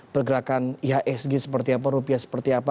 pergerakan ihsg seperti apa rupiah seperti apa